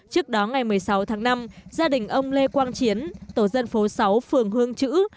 trước đó ngày một mươi sáu tháng năm gia đình ông lê quang chiến tổ dân phố sáu phường hương chữ